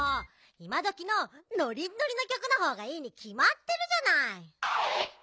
いまどきのノリッノリのきょくのほうがいいにきまってるじゃない！